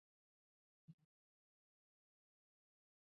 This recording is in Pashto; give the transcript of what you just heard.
ازادي راډیو د چاپیریال ساتنه د پرمختګ په اړه هیله څرګنده کړې.